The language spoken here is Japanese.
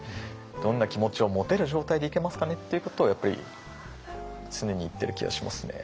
どんな気持ちを持てる状態でいけますかねっていうことをやっぱり常に言ってる気がしますね。